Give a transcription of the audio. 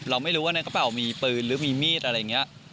เราไม่รู้ว่าในกระเป๋ามีปืนหรือมีมีดอะไรอย่างนี้